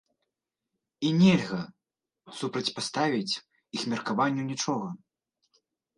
І нельга супрацьпаставіць іх меркаванню нічога!